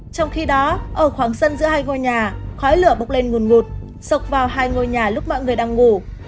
trong khi đó ở khoảng sân giữa hai ngôi nhà khói lửa bốc lên ngùn ngụt sọc vào hai ngôi nhà lúc mọi người đang ngủ